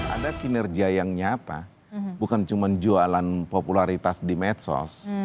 ada kinerja yang nyapa bukan cuma jualan popularitas di medsos